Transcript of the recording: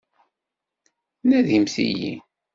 Nadimt-iyi.